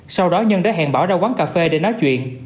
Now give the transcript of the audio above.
sau đó nhân đã hẹn bỏ ra quán cà phê để nói chuyện